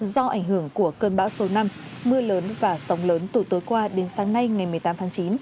do ảnh hưởng của cơn bão số năm mưa lớn và sóng lớn từ tối qua đến sáng nay ngày một mươi tám tháng chín